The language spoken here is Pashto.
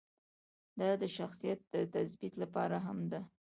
دا د شخصیت د تثبیت لپاره هم ده.